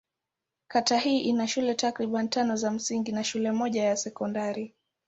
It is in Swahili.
Kata hii ina shule takriban tano za msingi na shule moja ya sekondari.